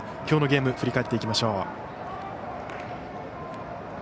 きょうのゲーム振り返っていきましょう。